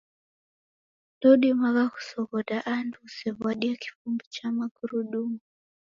Ndoudimagha kusoghoda andu usew'adie kifumbi cha magurudumu.